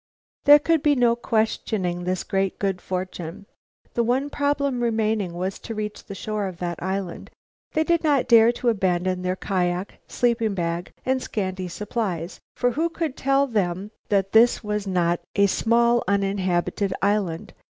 There could be no questioning this great good fortune. The one remaining problem was to reach the shore of that island. They did not dare to abandon their kiak, sleeping bag, and scanty supplies, for who could tell them that this was not a small uninhabited island?